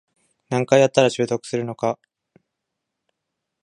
何回やったら習得するのか